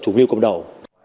chủ mưu công đầu